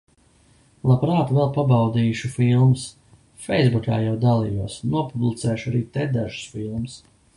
Labprāt vēl pabaudīšus filmas. Feisbukā jau dalījos, nopublicēšu arī te dažas filmas.